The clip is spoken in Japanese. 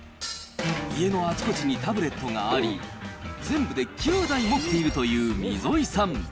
家のあちこちにタブレットがあり、全部で９台持っているという溝井さん。